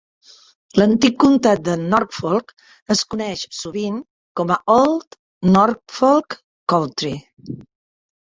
L'antic comtat de Norfolk es coneix sovint com a Old Norfolk County.